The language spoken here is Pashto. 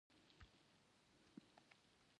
افغانستان مې د ناموس ستر و.